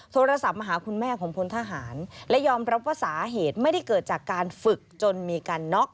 โทรศัพท์มาหาคุณแม่ของพลทหารและยอมรับว่าสาเหตุไม่ได้เกิดจากการฝึกจนมีการน็อก